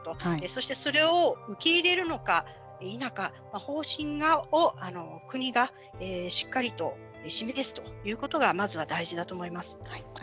そして、それを受け入れるのか否か方針を国がしっかりと示すということがありがとうございます。